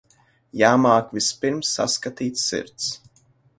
Jāmāk vispirms saskatīt sirds.